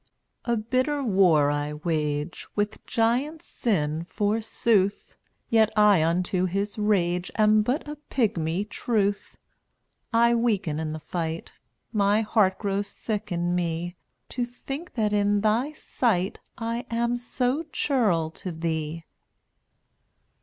217 A bitter war I wage (TVtt/lt* With giant Sin, forsooth, Yet I unto his rage (j^' Am but a pigmy truth. KUYtCT I weaken in the fight; J My heart grows sick in me To think that in Thy sight I am so churl to Thee.